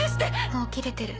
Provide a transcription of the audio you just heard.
もう切れてる。